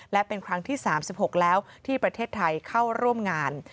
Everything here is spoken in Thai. และเป็นครั้งที่๓๖แล้วที่ประเทศไทยเข้าร่วมงาน